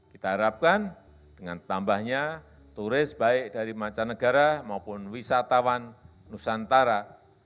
kita harapkan dengan tambahnya turis baik dari mancanegara maupun wisatawan nusantara